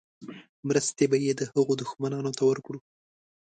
مرستې به یې د هغه دښمنانو ته ورکړو.